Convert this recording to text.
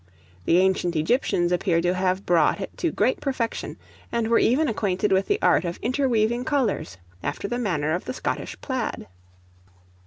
The ancient Egyptians appear to have brought it to great perfection, and were even acquainted with the art of interweaving colors after the manner of the Scottish plaid.